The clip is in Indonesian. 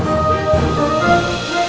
salah kalian pih pih pih